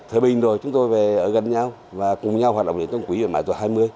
thời bình rồi chúng tôi về gần nhau và cùng nhau hoạt động đến trong quỹ mãi tùa hai mươi